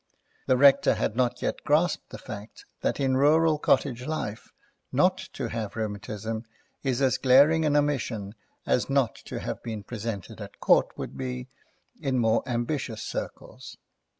The Rector had not yet grasped the fact that in rural cottage life not to have rheumatism is as glaring an omission as not to have been presented at Court would be in more ambitious circles.